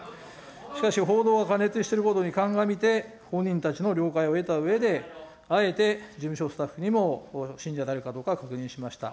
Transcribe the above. しかし、報道が過熱していることに鑑みて、本人たちの了解を得たうえで、あえて事務所スタッフにも信者であるかどうかを確認しました。